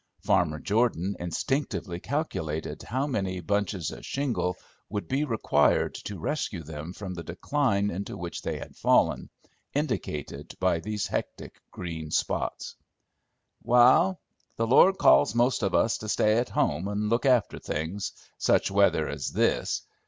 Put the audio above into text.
Farmer Jordan instinctively calculated how many "bunches o' shingle" would be required to rescue them from the decline into which they had fallen, indicated by these hectic green spots. "Wal, the Lord calls most of us to stay at home and look after things, such weather as this.